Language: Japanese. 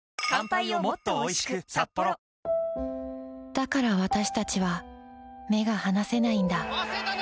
だからわたしたちは目が離せないんだ